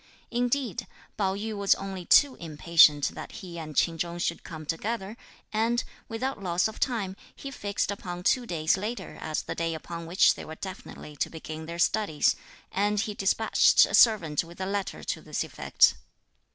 Indeed, Pao yü was only too impatient that he and Ch'in Chung should come together, and, without loss of time, he fixed upon two days later as the day upon which they were definitely to begin their studies, and he despatched a servant with a letter to this effect.